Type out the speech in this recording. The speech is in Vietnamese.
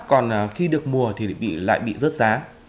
còn khi được mùa thì lại bị rớt giá